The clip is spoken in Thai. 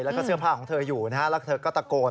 แล้วก็เสื้อผ้าของเธออยู่นะฮะแล้วเธอก็ตะโกน